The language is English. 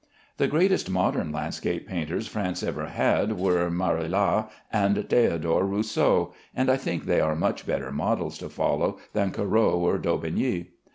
The greatest modern landscape painters France ever had were Marillat and Theodore Rousseau, and I think they are much better models to follow than Corot or Daubigny.